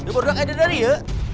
ya udah ya udah dari ya